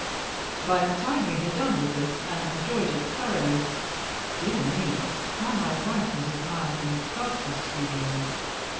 By the time we had done all this and enjoyed it thoroughly dear me, how my wife was admired in the sculptor's studio!